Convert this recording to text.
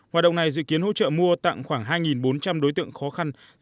hoạt động này dự kiến hỗ trợ mua tặng khoảng hai bốn trăm linh đối tượng khó khăn